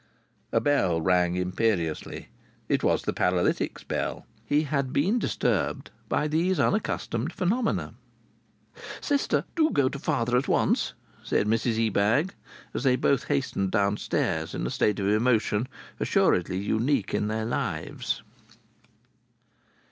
A bell rang imperiously. It was the paralytic's bell. He had been disturbed by these unaccustomed phenomena. "Sister, do go to father at once," said Mrs Ebag, as they both hastened downstairs in a state of emotion, assuredly unique in their lives.